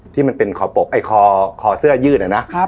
ที่มันเป็นขอเสื้อยืด